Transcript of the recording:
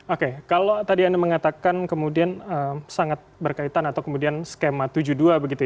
oke kalau tadi anda mengatakan kemudian sangat berkaitan atau kemudian skema tujuh puluh dua begitu ya